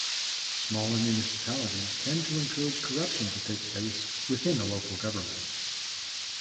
Smaller municipalities tend to encourage corruption to take place within a local government.